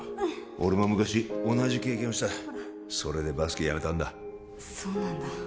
俺も昔同じ経験をしたそれでバスケやめたんだそうなんだ